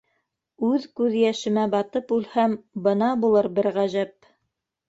—Үҙ күҙ йәшемә батып үлһәм, бына булыр бер ғәжәп!